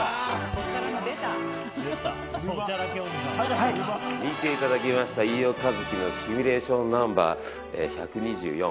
はい、見ていただきました飯尾和樹のシミュレーションナンバー１２４。